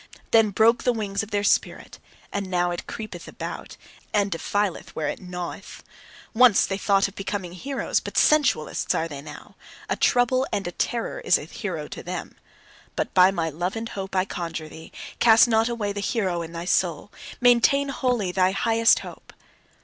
Then broke the wings of their spirit; and now it creepeth about, and defileth where it gnaweth. Once they thought of becoming heroes; but sensualists are they now. A trouble and a terror is the hero to them. But by my love and hope I conjure thee: cast not away the hero in thy soul! Maintain holy thy highest hope!